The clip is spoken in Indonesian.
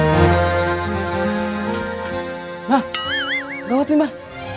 regak banget loh imah